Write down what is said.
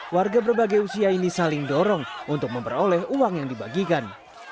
warga berbagai usia ini saling dorong untuk memperoleh uang yang dibagikan